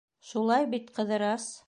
Шулай бит, Ҡыҙырас?